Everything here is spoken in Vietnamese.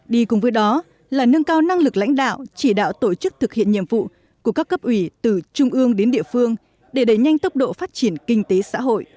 đi cùng với đó là nâng cao năng lực lãnh đạo chỉ đạo tổ chức thực hiện nhiệm vụ của các cấp ủy từ trung ương đến địa phương để đẩy nhanh tốc độ phát triển kinh tế xã hội